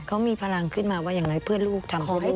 เขามีพลังขึ้นมาว่าอย่างไรเพื่อลูกทำให้